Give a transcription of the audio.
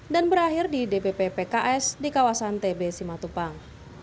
dan berakhir di dpp pks di kawasan tb simatupang